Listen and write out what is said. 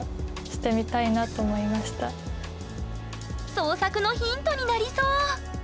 創作のヒントになりそう！